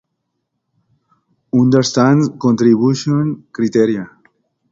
Sin embargo, el primero se redujo más para ayudar en la identificación.